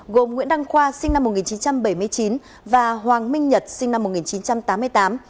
gồm nguyễn đăng khoa sinh năm một nghìn chín trăm bảy mươi chín và hoàng minh nhật sinh năm một nghìn chín trăm tám mươi tám